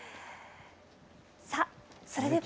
さあそれでは。